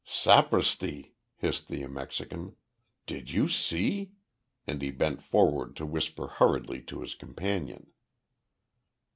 "Sapristi!" hissed the Mexican. "Did you see?" and he bent forward to whisper hurriedly to his companion.